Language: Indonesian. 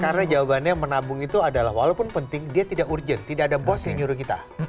karena jawabannya menabung itu adalah walaupun penting dia tidak urgent tidak ada bos yang nyuruh kita